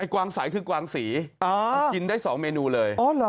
กวางสายคือกวางสีกินได้๒เมนูเลย